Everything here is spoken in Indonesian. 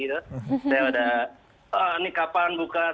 saya udah nikah paham buka